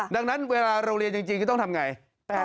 ดังนั้นเวลาเราเรียนจริงก็ต้องทำอย่างไร